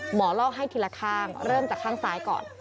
หมอลอกให้ทีละข้างเริ่มจากข้างซ้ายก่อน